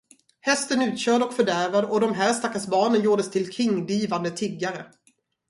Hästen utkörd och fördärvad och de här stackars barnen gjordes till kringdrivande tiggare!